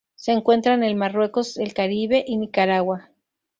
Se encuentra en el Marruecos, el Caribe y Nicaragua.